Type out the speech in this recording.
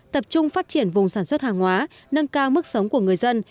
tập trung phát triển vùng sản xuất hàng hóa nâng cao mức sống của người dân